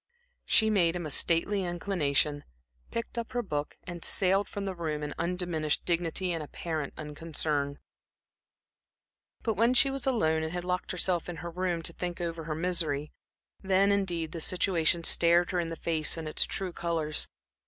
She made him a stately inclination, picked up her book and sailed from the room in undiminished dignity and apparent unconcern. But when she was alone and had locked herself into her room to think over her misery, then, indeed, the situation stared her in the face in its true colors.